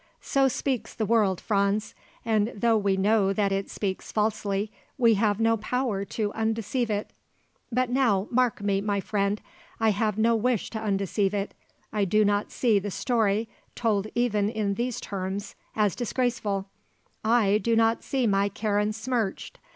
So speaks the world, Franz. And though we know that it speaks falsely we have no power to undeceive it. But now, mark me, my friend; I have no wish to undeceive it. I do not see the story, told even in these terms, as disgraceful; I do not see my Karen smirched.